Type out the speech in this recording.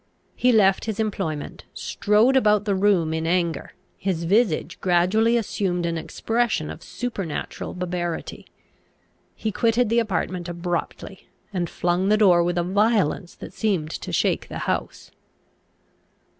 He left his employment, strode about the room in anger, his visage gradually assumed an expression as of supernatural barbarity, he quitted the apartment abruptly, and flung the door with a violence that seemed to shake the house.